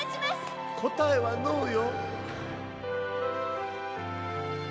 こたえはノーよ。